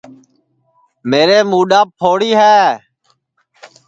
میرے موڈام پھوڑی ہے